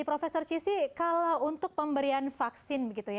profesor cissy kalau untuk pemberian vaksin